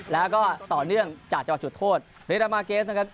แล้วก็ต่อเนื่องจากจังหวัดจุดโทษเรดามาเกสนะครับ